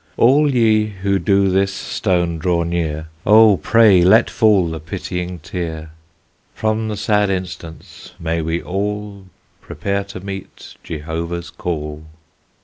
All ye who do this stone draw near, Oh! pray let fall the pitying tear. From the sad instance may we all Prepare to meet Jehovah's call.